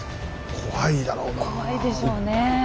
怖いでしょうね。